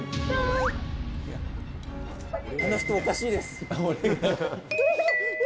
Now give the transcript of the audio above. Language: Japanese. あの人おかしいです。